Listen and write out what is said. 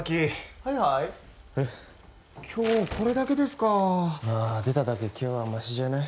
はいはいはい今日これだけですかまあ出ただけ今日はマシじゃない？